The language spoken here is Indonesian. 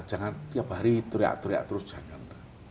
jangan tiap hari teriak teriak terus jangan